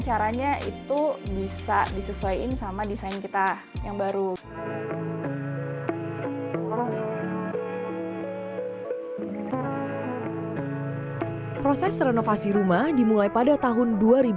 caranya itu bisa disesuaikan sama desain kita yang baru proses renovasi rumah dimulai pada tahun dua ribu dua